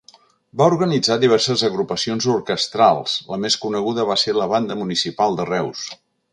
Va organitzar diverses agrupacions orquestrals, la més coneguda va ser la Banda Municipal de Reus.